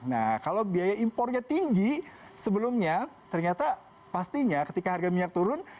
nah kalau biaya impornya tinggi sebelumnya ternyata pastinya ketika harga minyak turun